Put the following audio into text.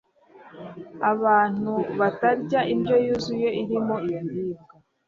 abantu batarya indyo yuzuye irimo ibiribwa